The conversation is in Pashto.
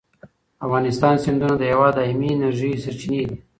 د افغانستان سیندونه د هېواد د دایمي انرژۍ سرچینې دي.